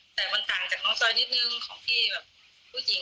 แต่มันต่างจากน้องจอยนิดนึงของพี่